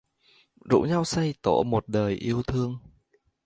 Rủ nhau xây tổ một đời yêu thương